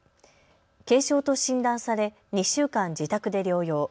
軽症と診断され２週間自宅で療養。